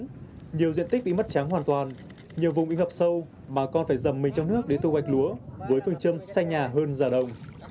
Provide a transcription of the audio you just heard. tuy nhiên nhiều diện tích bị mất trắng hoàn toàn nhiều vùng bị ngập sâu bà con phải dầm mình trong nước để thu hoạch lúa với phương châm xanh nhà hơn già đồng